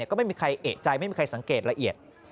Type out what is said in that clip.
ก็ไม่มีใครเอกใจไม่มีใครสังเกตละเอียด